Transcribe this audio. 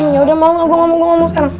yaudah mau gua ngomong ngomong sekarang